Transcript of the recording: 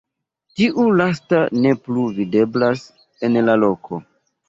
Tiu lasta ne plu videblas en la loko.